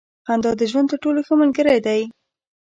• خندا د ژوند تر ټولو ښه ملګری دی.